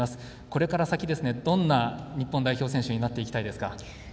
これから先どんな日本代表選手になっていきたいですか？